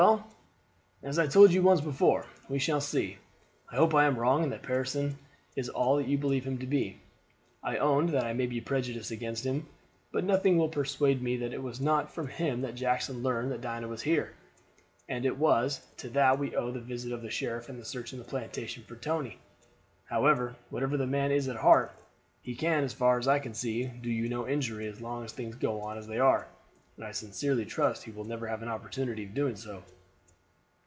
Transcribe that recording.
"Well, as I told you once before, we shall see. I hope I am wrong, and that Pearson is all that you believe him to be. I own that I may be prejudiced against him; but nothing will persuade me that it was not from him that Jackson learned that Dinah was here, and it was to that we owe the visit of the sheriff and the searching the plantation for Tony. However, whatever the man is at heart, he can, as far as I see, do you no injury as long as things go on as they are, and I sincerely trust he will never have an opportunity of doing so."